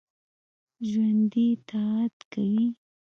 ژوندي طاعت کوي